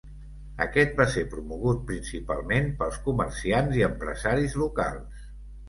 Aquest va ser promogut principalment pels comerciants i empresaris locals.